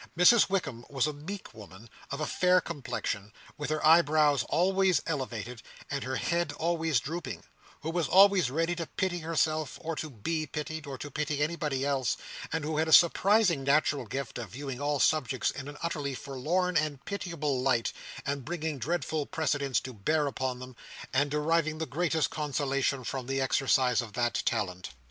Mrs Wickam was a meek woman, of a fair complexion, with her eyebrows always elevated, and her head always drooping; who was always ready to pity herself, or to be pitied, or to pity anybody else; and who had a surprising natural gift of viewing all subjects in an utterly forlorn and pitiable light, and bringing dreadful precedents to bear upon them, and deriving the greatest consolation from the exercise of that talent.